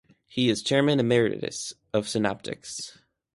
He is chairman emeritus of Synaptics.